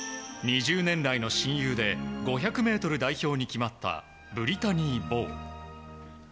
２０年来の親友で５００ｍ代表に決まったブリタニー・ボウ。